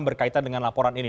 berkaitan dengan laporan ini